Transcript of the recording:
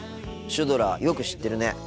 シュドラよく知ってるね。